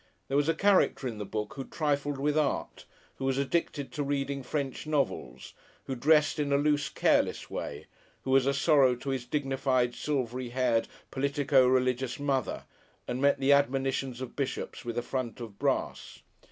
There was a character in the book who trifled with Art, who was addicted to reading French novels, who dressed in a loose, careless way, who was a sorrow to his dignified, silvery haired, politico religious mother, and met the admonitions of bishops with a front of brass.